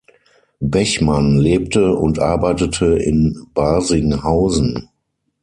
Bechmann lebte und arbeitete in Barsinghausen.